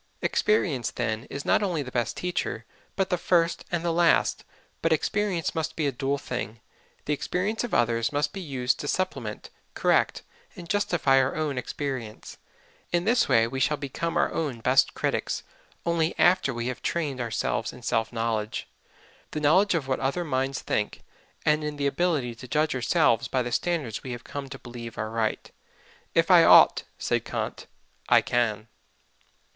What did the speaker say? Experience, then, is not only the best teacher, but the first and the last. But experience must be a dual thing the experience of others must be used to supplement, correct and justify our own experience; in this way we shall become our own best critics only after we have trained ourselves in self knowledge, the knowledge of what other minds think, and in the ability to judge ourselves by the standards we have come to believe are right. "If I ought," said Kant, "I can."